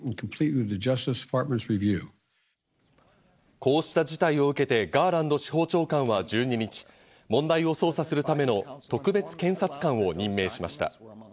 こうした事態を受けてガーランド司法長官は１２日、問題を捜査するための特別検察官を任命しました。